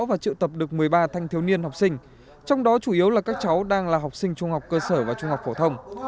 và triệu tập được một mươi ba thanh thiếu niên học sinh trong đó chủ yếu là các cháu đang là học sinh trung học cơ sở và trung học phổ thông